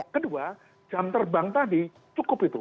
kedua jam terbang tadi cukup itu